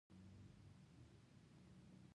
همدا شان که ځان ته تلقين هم مثبت وي.